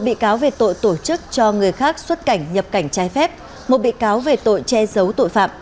một bị cáo về tội tổ chức cho người khác xuất cảnh nhập cảnh trái phép một bị cáo về tội che giấu tội phạm